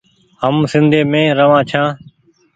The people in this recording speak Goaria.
هم سنڌي روآن ڇآن ۔